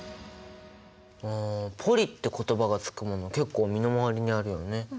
ポリって言葉が付くもの結構身の回りにあるよね。